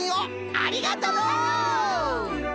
ありがとう！